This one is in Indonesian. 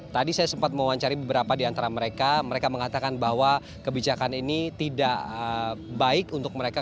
tadi saya sempat mewawancari beberapa di antara mereka mereka mengatakan bahwa kebijakan ini tidak baik untuk mereka